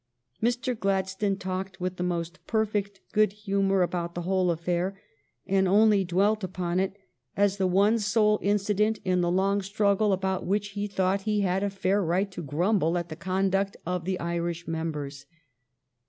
Mr. Gladstone talked with the most perfect good humor about the whole affair and only dwelt upon it as the one 396 THE STORY OF GLADSTONE'S LIFE sole incident in the long struggle about which he thought he had a fair right to grumble at the conduct of the Irish members.